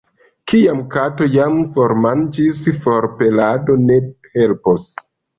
Kiam kato jam formanĝis, forpelado ne helpos.